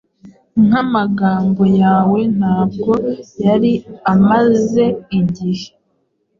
nkamagambo yawentabwo yari amaze igihe